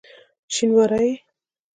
شینواری یې؟!